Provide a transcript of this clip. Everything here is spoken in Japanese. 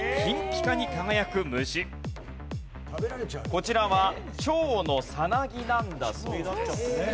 こちらは蝶のさなぎなんだそうです。